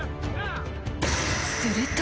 ［すると］